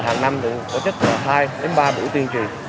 hàng năm cũng tổ chức hai ba buổi tuyên truyền